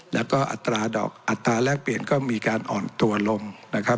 แล้วก็อัตราดอกอัตราแรกเปลี่ยนก็มีการอ่อนตัวลงนะครับ